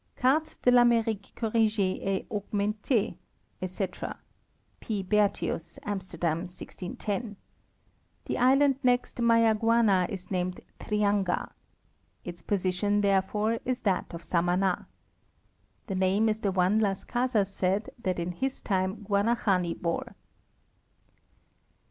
Carte DE L'AMERIQUE CORRIGEE ET AUGMENTEER, etc, P. Bertius, Amster dam, 1610: The island next Mayaguana is named Trianga. Its position, therefore, is that of Samand. The name is the one Las Casas said that in his time Guanahani bore.